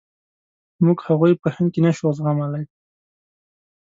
موږ هغوی په هند کې نشو زغملای.